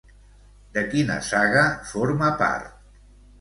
De quina saga forma part?